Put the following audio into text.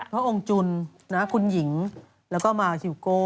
พระองค์จุนคุณหญิงแล้วก็มาฮิวโก้